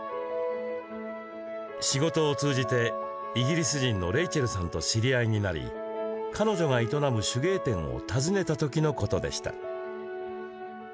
仕事を通じて、イギリス人のレイチェルさんと知り合いになり彼女が営む手芸店を訪ねた時のことでした。